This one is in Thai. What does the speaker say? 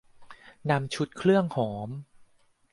นำชุดเครื่องหอม